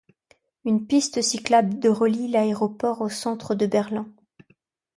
Une piste cyclable de relie l'aéroport au centre de Berlin.